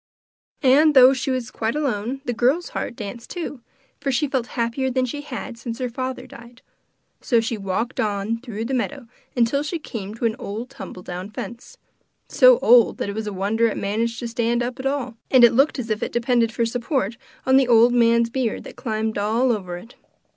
And though she was quite alone, the girl's heart danced too, for she felt happier than she had since her father died. So she walked on through the meadow till she came to an old tumbledown fence so old that it was a wonder it managed to stand up at all, and it looked as if it depended for support on the old man's beard that climbed all over it.